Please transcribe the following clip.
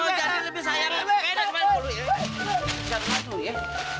jangan kemana mana dulu ya